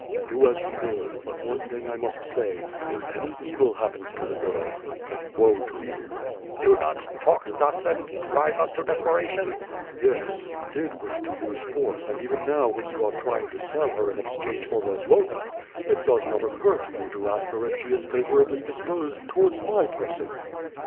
"Do as you will, but one thing I must say, if any evil hap pens to the girl — then woe to you!" "Do not talk thus and drive us to desperation." "Yes, you did wish to use force and even now when you are trying to sell her in exchange for Rozloga, it does not occur to you to ask her if she is favorably disposed towards my person."